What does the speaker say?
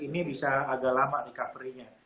ini bisa agak lama recovery nya